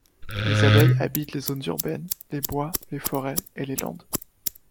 Les abeilles habitent les zones urbaines, les bois, les forêts et les landes.